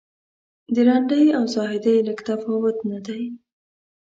د رندۍ او زاهدۍ لږ تفاوت نه دی.